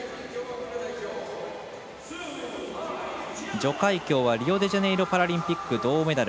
徐海蛟はリオデジャネイロパラリンピック銅メダル。